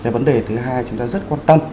vấn đề thứ hai chúng ta rất quan tâm